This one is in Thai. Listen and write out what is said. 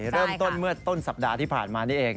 เริ่มต้นเมื่อต้นสัปดาห์ที่ผ่านมานี่เอง